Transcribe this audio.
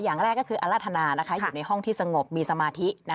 อย่างแรกก็คืออรรถนาอยู่ในห้องที่สงบมีสมาธิ